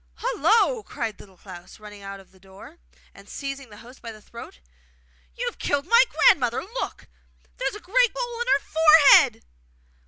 'Hullo!' cried Little Klaus, running out of the door, and seizing the host by the throat. 'You have killed my grandmother! Look! there is a great hole in her forehead!